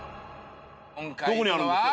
どこにあるんですか？